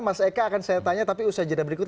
mas eka akan saya tanya tapi usaha jadwal berikut